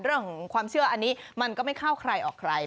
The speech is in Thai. เรื่องของความเชื่ออันนี้มันก็ไม่เข้าใครออกใคร